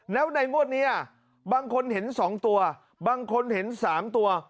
แล้วในงวดนี้บางคนเห็น๒ตัวบางคนเห็น๓ตัว